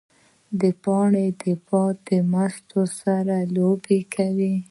پاڼې د باد له مستۍ سره لوبې کوي